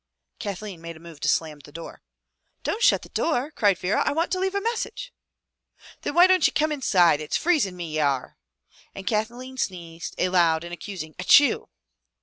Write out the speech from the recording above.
Kathleen made a move to slam the door. " Don't shut the door," cried Vera. " I want to leave a message." "Then why don't ye come inside? It's freezin' me ye are!" And Kathleen sneezed a loud and accusing "Atchoo!"